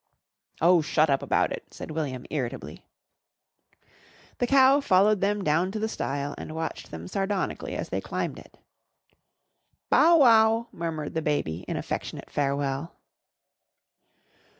"Oh! shut up about it," said William irritably. The cow followed them down to the stile and watched them sardonically as they climbed it. "Bow wow!" murmured the baby in affectionate farewell.